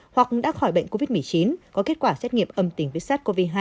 hoặc đã khỏi bệnh covid một mươi chín có kết quả xét nghiệm âm tính với sars cov hai